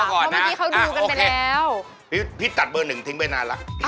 อ๋อวิเคราะห์ก่อนนะอ่ะโอเคพี่ตัดเบอร์๑ทิ้งไปนานแล้ว